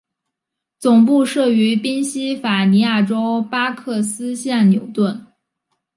总部设于宾西法尼亚州巴克斯县纽顿。